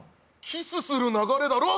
キスする流れだろ！